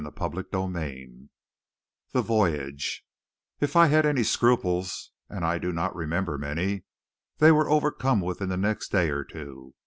CHAPTER III THE VOYAGE If I had any scruples and I do not remember many they were overcome within the next day or two.